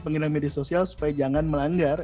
pengguna media sosial supaya jangan melanggar